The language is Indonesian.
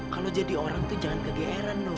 kalau jadi orang tuh jangan kegeeran dong